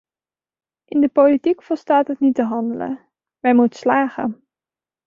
In de politiek volstaat het niet te handelen, men moet slagen.